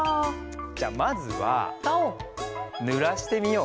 じゃまずはぬらしてみよう。